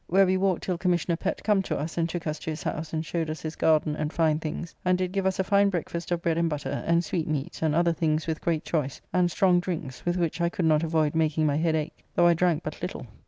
Where we walked till Commissioner Pett come to us, and took us to his house, and showed us his garden and fine things, and did give us a fine breakfast of bread and butter, and sweetmeats and other things with great choice, and strong drinks, with which I could not avoyde making my head ake, though I drank but little.